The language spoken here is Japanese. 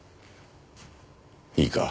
いいか？